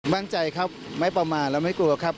บ้านใจครับไม่ปลอมมาและไม่กลัวครับ